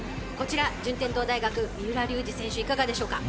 順天堂大学、三浦龍司選手いかがでしょうか。